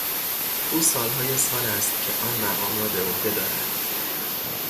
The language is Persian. او سالهای سال است که آن مقام را به عهده دارد.